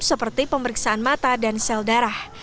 seperti pemeriksaan mata dan sel darah